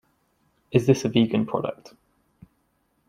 Is this a vegan product?